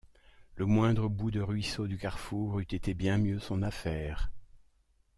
Le moindre bout de ruisseau du carrefour eût été bien mieux son affaire.